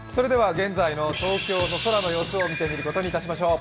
現在の東京の空の様子を見てみることにいたしましょう。